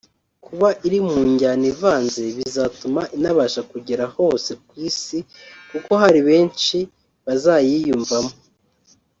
Kuba iri mu njyana ivanze bizatuma inabasha kugera hose ku Isi kuko hari benshi bazayiyumvamo